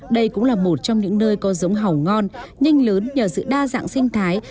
đây cũng là một trong những nơi có giống hầu ngon nhanh lớn nhờ sự đa dạng sinh thái